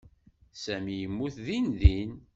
Sami yemmut dindin.